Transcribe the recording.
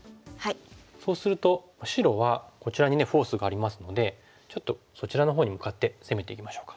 そうすると白はこちらにねフォースがありますのでちょっとそちらのほうに向かって攻めていきましょうか。